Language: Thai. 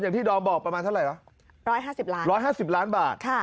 อย่างที่ดอมบอกประมาณเท่าไรเหรอร้อยห้าสิบล้านร้อยห้าสิบล้านบาท